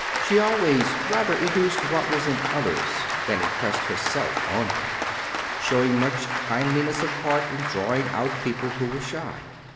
She always rather educed what was in others than impressed herself on them; showing much kindliness of heart in drawing out people who were shy.